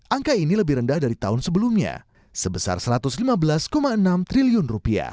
angka ini lebih rendah dari tahun sebelumnya sebesar rp satu ratus lima belas enam triliun